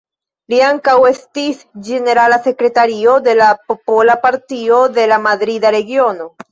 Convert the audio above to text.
Li ankaŭ estis ĝenerala sekretario de la Popola Partio de la Madrida Regiono.